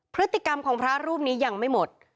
พฤติกรรมของพระรูปนี้ยังไม่หมด